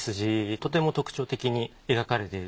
とても特徴的に描かれている。